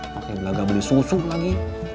pakai belaga beli susu lagi